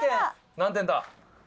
何点だ？